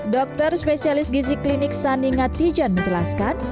dokter spesialis gizi klinik saninga tijan menjelaskan